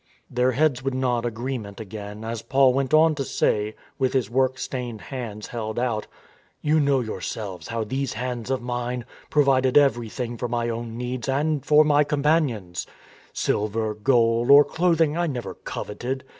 ..." Their heads would nod agreement again as Paul went on to say, with his work stained hands held out, " You know yourselves how these hands of mine pro vided everything for my own needs and for my com panions. Silver, gold, or clothing I never coveted.